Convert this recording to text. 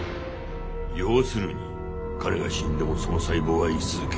要するに彼が死んでもその細胞は生き続け